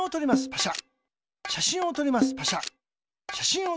パシャ。